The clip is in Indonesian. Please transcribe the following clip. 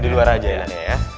di luar aja anak anak ya